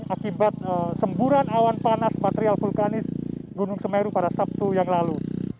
akibat semburan awan panas material vulkanis gunung semeru pada sabtu yang lalu